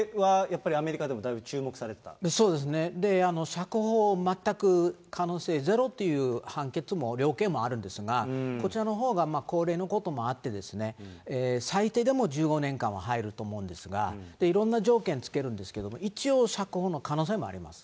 釈放、全く可能性ゼロっていう判決も、量刑もあるんですが、こちらのほうが高齢のこともあって、最低でも１５年間は入ると思うんですが、いろんな条件つけるんですけども、一応、釈放の可能性もあります。